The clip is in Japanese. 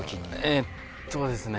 えっとですね